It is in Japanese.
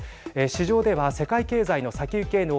市場では世界経済の先行きへの